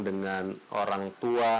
dengan orang tua